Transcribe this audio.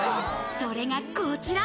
それがこちら。